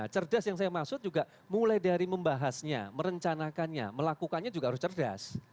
cerdas yang saya maksud juga mulai dari membahasnya merencanakannya melakukannya juga harus cerdas